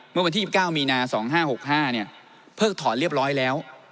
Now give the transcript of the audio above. เมื่อวันที่๒๙มีนา๒๕๖๕เพิกถอนเรียบร้อยแล้ว